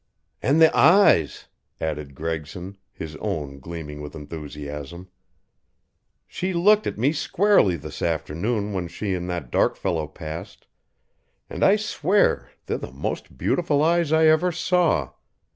"And the eyes!" added Gregson, his own gleaming with enthusiasm. "She looked at me squarely this afternoon when she and that dark fellow passed, and I swear they're the most beautiful eyes I ever saw.